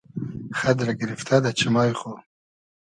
خئد رۂ گیریفتۂ دۂ چیمای خو